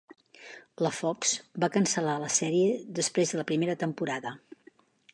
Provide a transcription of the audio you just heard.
La Fox va cancel·lar la sèrie després de la primera temporada.